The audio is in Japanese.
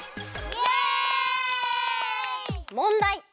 もんだい。